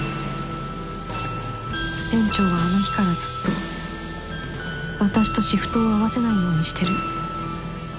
店長はあの日からずっと私とシフトを合わせないようにしてる